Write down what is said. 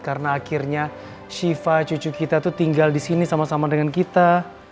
karena akhirnya syifa cucu kita tuh tinggal di sini sama sama dengan kita